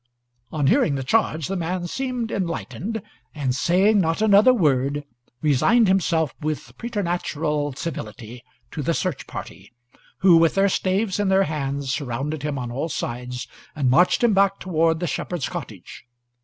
On hearing the charge, the man seemed enlightened, and, saying not another word, resigned himself with preternatural civility to the search party, who, with their staves in their hands, surrounded him on all sides, and marched him back toward the shepherd's cottage.